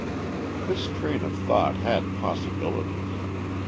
This train of thought had possibilities.